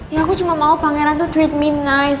ya aku cuma mau pangeran tuh treat me nice